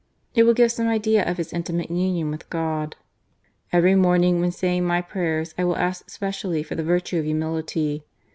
It will give some idea of his intimate union with God : "Every morning when saying my prayers I will ask specially for the virtue of humility.